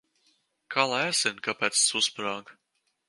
Kā lai es zinu, kāpēc tas uzsprāga?